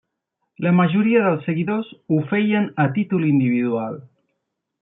La majoria dels seguidors ho feien a títol individual.